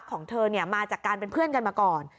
ของเธอมาจากการเป็นเพื่อนกันมาก่อน